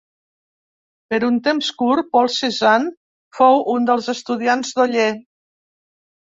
Per un temps curt, Paul Cézanne fou un dels estudiants d'Oller.